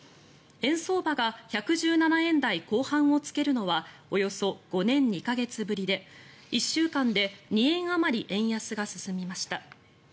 円相場が１１７円台後半をつけるのはおよそ５年２か月ぶりで１週間で２円あまり円安が進みました。